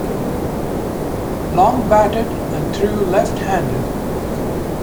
Long batted and threw left-handed.